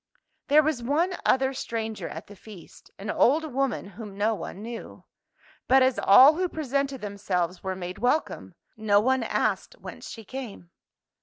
There was one other stranger at the feast: an old woman whom no one knew. But as all who presented themselves were made welcome, no one asked whence she came.